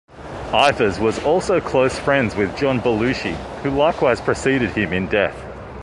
Ivers was also close friends with John Belushi who likewise preceded him in death.